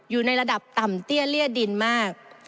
อยู่ในระดับต่ำเตี้ยเลี้ยดินมาก